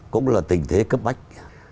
cũng là tình thế cấp bách